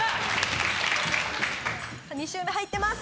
２周目入ってます。